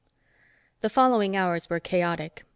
The following hours were chaotic.